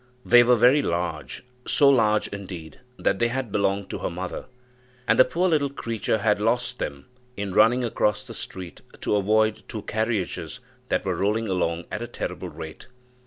They were very large, so large, indeed, that they had belonged to her mother, and the poor little creature had lost them in running across the street to avoid two carriages that were rolling along at a terrible rate.